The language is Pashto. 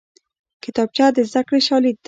کتابچه د زدکړې شاليد دی